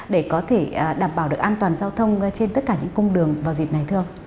để có thể đảm bảo được an toàn giao thông trên tất cả những cung đường vào dịp này thưa ông